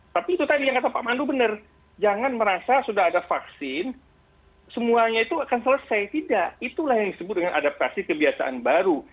tapi itu tadi yang kata pak pandu benar jangan merasa sudah ada vaksin semuanya itu akan selesai tidak itulah yang disebut dengan adaptasi kebiasaan baru